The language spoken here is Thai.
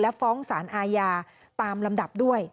ฟ้องสารอาญาตามลำดับด้วย